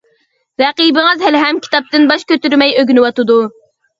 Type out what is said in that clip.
رەقىبىڭىز ھېلىھەم كىتابتىن باش كۆتۈرمەي ئۆگىنىۋاتىدۇ.